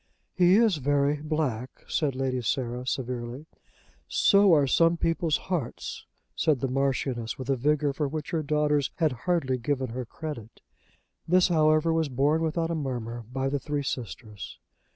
"He is very black," said Lady Sarah severely. "So are some people's hearts," said the Marchioness with a vigour for which her daughters had hardly given her credit. This, however, was borne without a murmur by the three sisters.